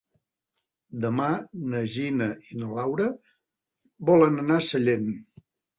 Demà na Gina i na Laura volen anar a Sellent.